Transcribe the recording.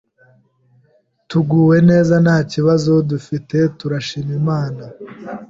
tuguwe neza nta kibazo dufite turashima Imana